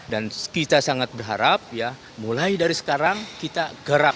dan kita sangat berharap ya mulai dari sekarang kita gerak